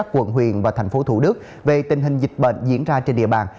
quận huyện và thành phố thủ đức về tình hình dịch bệnh diễn ra trên địa bàn